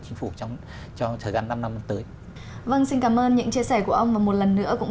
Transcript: chính phủ trong thời gian năm năm tới vâng xin cảm ơn những chia sẻ của ông và một lần nữa cũng